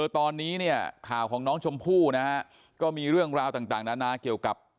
ตอนนี้เนี่ยข่าวของน้องชมพู่นะฮะก็มีเรื่องราวต่างนานาเกี่ยวกับ